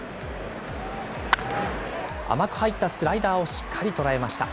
甘く入ったスライダーをしっかり捉えました。